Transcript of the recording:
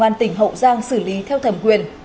công an tỉnh hậu giang xử lý theo thẩm quyền